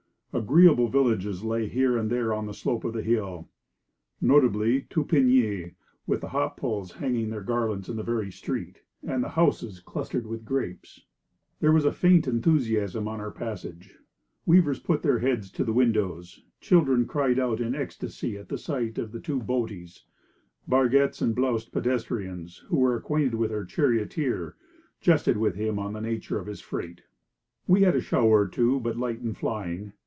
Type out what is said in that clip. Agreeable villages lay here and there on the slope of the hill; notably, Tupigny, with the hop poles hanging their garlands in the very street, and the houses clustered with grapes. There was a faint enthusiasm on our passage; weavers put their heads to the windows; children cried out in ecstasy at sight of the two 'boaties'—barguettes: and bloused pedestrians, who were acquainted with our charioteer, jested with him on the nature of his freight. We had a shower or two, but light and flying.